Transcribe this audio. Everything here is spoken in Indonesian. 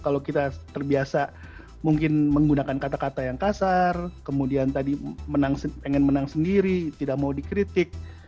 kalau kita terbiasa mungkin menggunakan kata kata yang kasar kemudian tadi ingin menang sendiri tidak mau dikritik